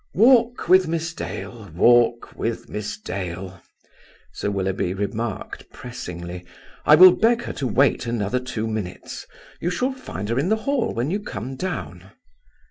"Walk with Miss Dale; walk with Miss Dale," Sir Willoughby remarked, pressingly. "I will beg her to wait another two minutes. You shall find her in the hall when you come down."